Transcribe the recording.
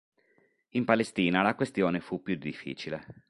In Palestina la questione fu più difficile.